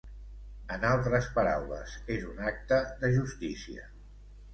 En altres paraules, és un acte de justícia.